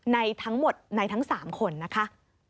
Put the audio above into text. ในทั้งหมดในทั้ง๓คนนะคะ